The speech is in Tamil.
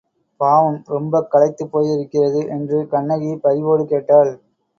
பாவம், ரொம்பக் களைத்துப்போயிருக்கிறது என்று கண்ணகி பரிவோடு கேட்டாள்.